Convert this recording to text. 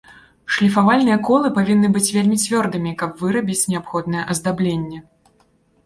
Шліфавальныя колы павінны быць вельмі цвёрдымі, каб вырабіць неабходнае аздабленне.